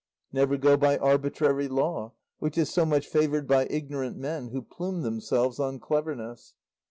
"Never go by arbitrary law, which is so much favoured by ignorant men who plume themselves on cleverness.